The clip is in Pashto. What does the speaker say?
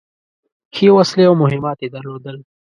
ښې وسلې او مهمات يې درلودل.